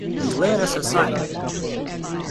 We live in a society.